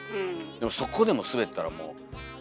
でもそこでもスベったらもう。